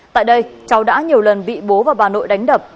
tại đây cháu đã nhiều lần bị bố và bà nội đánh đập